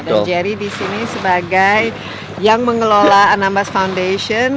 dan jerry disini sebagai yang mengelola anambas foundation